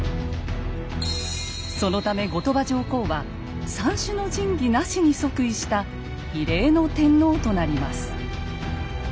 そのため後鳥羽上皇は三種の神器なしに即位した「異例の天皇」となります。